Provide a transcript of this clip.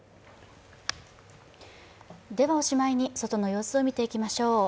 ではおしまいに、外の様子を見ていきましょう。